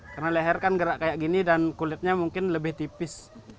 karena leher kan gerak kayak gini dan kulitnya mungkin lebih tipis